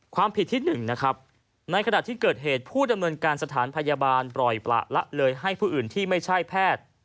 ความผิดที่๑นะครับในขณะที่เกิดเหตุผู้ดำเนินการสถานพยาบาลปล่อยประละเลยให้ผู้อื่นที่ไม่ใช่แพทย์